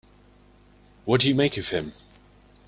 What do you make of him?